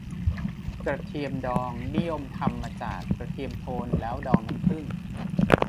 กระเทียมดอง นิยมทำมาจากกระเทียมโทน แล้วดองน้ำผึ้ง